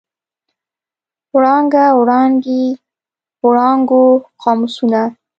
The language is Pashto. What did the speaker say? وړانګه، وړانګې، وړانګو، قاموسونه.